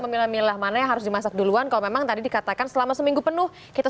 memilah milah mana yang harus dimasak duluan kalau memang tadi dikatakan selama seminggu penuh kita